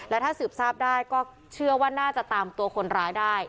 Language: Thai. ถ้าสืบทราบได้ก็เชื่อว่าน่าจะตามตัวคนร้ายได้